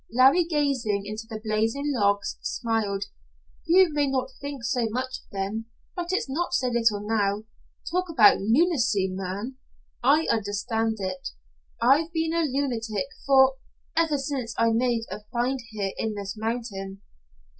Larry, gazing into the blazing logs, smiled. "You may not think so much of them, but it's not so little now. Talk about lunacy man, I understand it. I've been a lunatic for ever since I made a find here in this mountain."